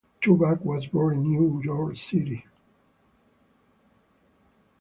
Toback was born in New York City.